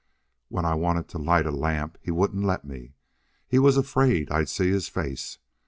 When I wanted to light a lamp he wouldn't let me. He was afraid I'd see his face.